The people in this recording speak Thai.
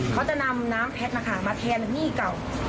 เขาจะนำน้ำแพทย์นะคะมาแทนหนี้เก่า